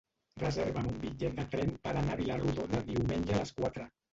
Reserva'm un bitllet de tren per anar a Vila-rodona diumenge a les quatre.